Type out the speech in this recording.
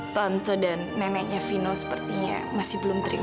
tante dan neneknya vino sepertinya masih belum teringat